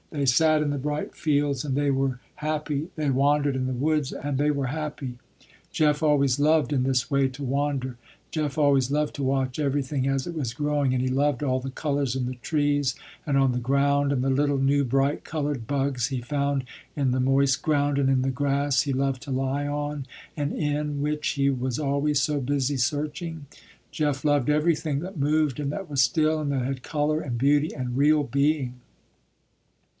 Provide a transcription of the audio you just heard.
They sat in the bright fields and they were happy, they wandered in the woods and they were happy. Jeff always loved in this way to wander. Jeff always loved to watch everything as it was growing, and he loved all the colors in the trees and on the ground, and the little, new, bright colored bugs he found in the moist ground and in the grass he loved to lie on and in which he was always so busy searching. Jeff loved everything that moved and that was still, and that had color, and beauty, and real being.